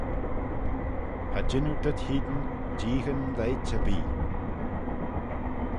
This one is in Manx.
Cha jean oo dhyt hene jeeghyn lheiht erbee.